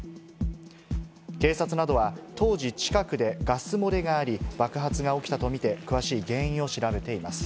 警察などは当時、近くでガス漏れがあり、爆発が起きたとみて詳しい原因を調べています。